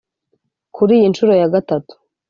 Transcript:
Kuri iyi nshuro ya gatatu